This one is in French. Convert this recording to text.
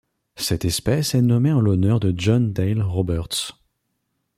Cette espèce est nommée en l'honneur de John Dale Roberts.